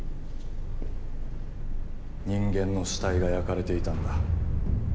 人間の死体が焼かれていたんだ。